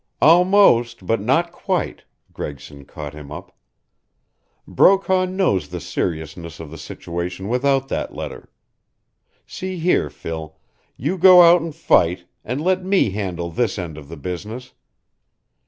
"Almost but not quite," Gregson caught him up. "Brokaw knows the seriousness of the situation without that letter. See here, Phil you go out and fight, and let me handle this end of the business.